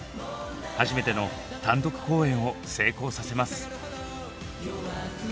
初めての単独公演を成功させます。